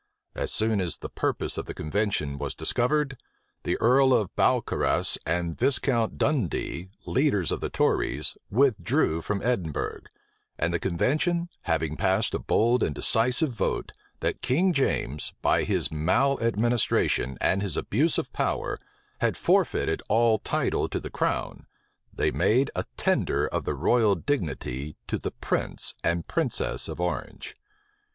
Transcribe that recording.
As soon as the purpose of the convention was discovered, the earl of Balcarras and Viscount Dundee, leaders of the tories, withdrew from Edinburgh; and the convention having passed a bold and decisive vote, that King James, by his maleadministration, and his abuse of power, had forfeited all title to the crown, they made a tender of the royal dignity to the prince and princess of Orange.